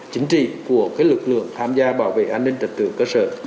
chính trị của lực lượng tham gia bảo vệ an ninh trật tự cơ sở